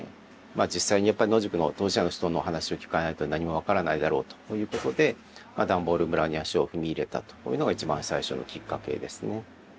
実際に野宿の当事者の人の話を聞かないと何も分からないだろうということでダンボール村に足を踏み入れたというのが一番最初のきっかけですね。